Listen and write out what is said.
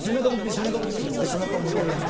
「背中向けるんですか？」